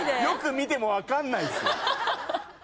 よく見ても分かんない。